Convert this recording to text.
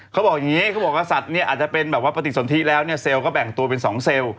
เขาบอกอย่างนี้เขาบอกว่าสัตว์เนี่ยอาจจะเป็นแบบว่าปฏิสนทิแล้วเนี่ยเซลล์ก็แบ่งตัวเป็น๒เซลล์